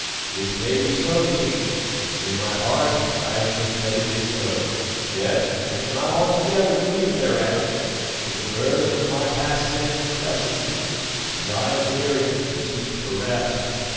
"It may be so, King; in my heart I think that it is so; yet I do not altogether grieve thereat, for the burden of my past sins crushes me, and I am weary and seek for rest.